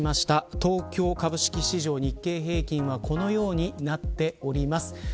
東京株式市場、日経平均はこのようになっております。